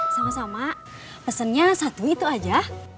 sama sama pesannya satu itu aja